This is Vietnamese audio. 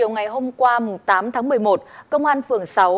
ngày hôm qua tám tháng một mươi một công an phường sáu